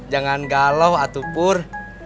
jangan galau atupur